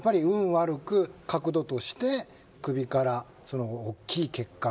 悪く角度として首から大きい血管